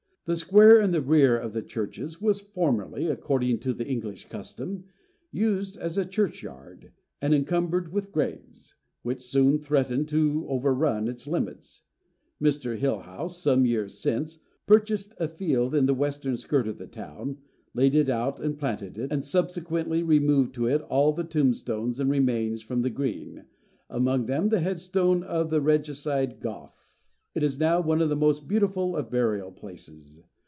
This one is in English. The square in the rear of the churches was formerly, according to the English custom, used as a churchyard, and encumbered with graves, which soon threatened to overrun its limits. Mr. Hillhouse, some years since, purchased a field in the western skirt of the town, laid it out and planted it, and subsequently removed to it all the tombstones and remains from the Green; among them the headstone of the regicide Goffe. It is now one of the most beautiful of burial places.